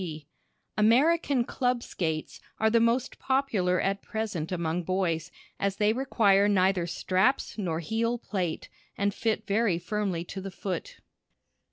G. "American Club Skates" are the most popular at present among boys, as they require neither straps nor heel plate, and fit very firmly to the foot.